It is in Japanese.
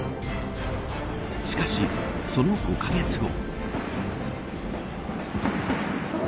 しかし、その５カ月後。